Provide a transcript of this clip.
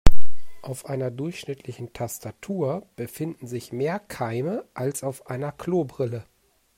Auf einer durchschnittlichen Tastatur befinden sich mehr Keime als auf einer Klobrille.